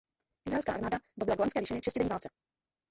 Izraelská armáda dobyla Golanské výšiny v šestidenní válce.